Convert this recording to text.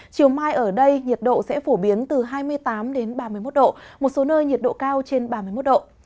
chiều mai ở đây nhiệt độ sẽ phổ biến từ hai mươi tám ba mươi một độ một số nơi nhiệt độ cao trên ba mươi một độ